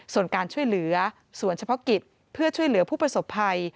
ส่วนการช่วยเหลือส่วนเฉพาะกิจเพื่อช่วยเหลือผู้ประสบภัย